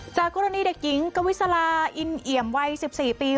จากกรณีเด็กหญิงกวิสาราอินเหยมเวยสิบสี่ปี